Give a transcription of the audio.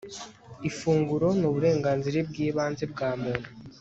ifunguro ni uburenganzira bw'ibanze bwa muntu